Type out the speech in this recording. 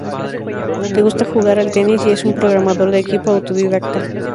Le gusta jugar al tenis y es un programador de equipo autodidacta.